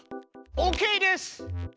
オーケーです！